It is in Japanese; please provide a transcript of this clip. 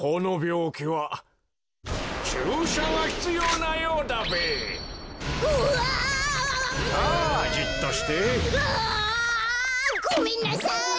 うわ！ごめんなさい！